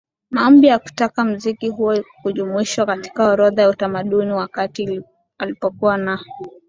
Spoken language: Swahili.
maombi ya kutaka muziki huo kujumuishwa katika orodha ya utamaduni wakati alipokuwa na